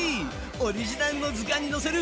オリジナルの図鑑にのせる